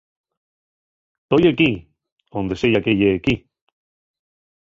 Toi equí, onde seya que ye equí.